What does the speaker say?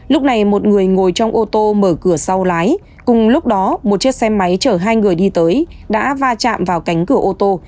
lúc này một người ngồi trong ô tô mở cửa sau lái cùng lúc đó một chiếc xe máy chở hai người đi tới đã va chạm vào cánh cửa ô tô